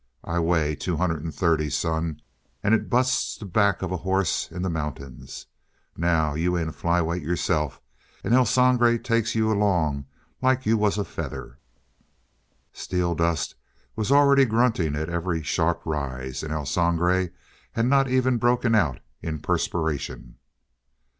I weigh two hundred and thirty, son, and it busts the back of a horse in the mountains. Now, you ain't a flyweight yourself, and El Sangre takes you along like you was a feather." Steeldust was already grunting at every sharp rise, and El Sangre had not even broken out in perspiration.